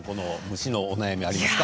虫のお悩みありますか？